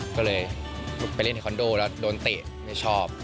ก็เลยไปเล่นที่คอนโดแล้วโดนเตะไม่ชอบ